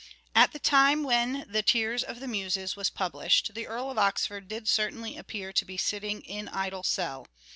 At the time when " The Tears of the Muses " was " in idle cell " published the Earl of Oxford did certainly appear to be sitting " in idle cell."